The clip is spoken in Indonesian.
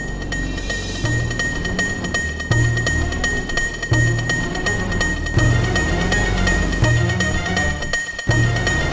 perjumlah lu merata disini